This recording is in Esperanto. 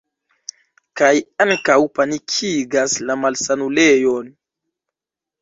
Kaj ankaŭ panikigas la malsanulejon.